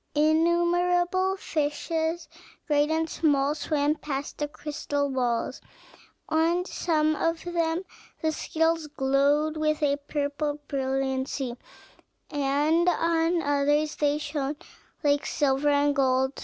Innumerable fishes, great and small, swam past the crystal walls; on some of them the scales glowed with a purple brilliancy, and on others they shone like silver and gold.